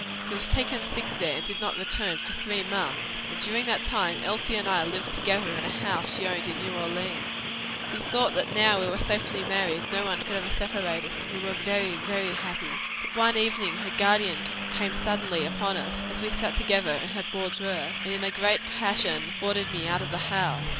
He was taken sick there and did not return for three months, and during that time Elsie and I lived together in a house she owned in New Orleans. "We thought that now that we were safely married, no one could ever separate us, and we were very, very happy. "But one evening her guardian came suddenly upon us, as we sat together in her boudoir, and in a great passion ordered me out of the house.